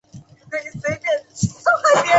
里见氏家臣。